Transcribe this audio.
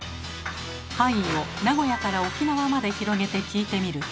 範囲を名古屋から沖縄まで広げて聞いてみると。